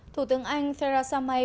thủ tướng anh theresa may